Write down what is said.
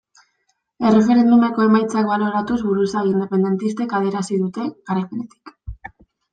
Erreferendumeko emaitzak baloratuz buruzagi independentistek adierazi dute, garaipenetik.